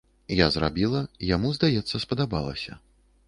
Я зрабіла, яму, здаецца, спадабалася.